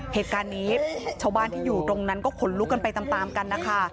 เหตุการณ์นี้ชาวบ้านที่อยู่ตรงนั้นก็ขนลุกกันไปตามกันนะคะ